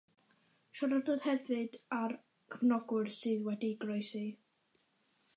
Siaradodd hefyd â'r cyfranogwyr sydd wedi goroesi.